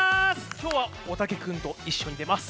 きょうはおたけくんといっしょにでます！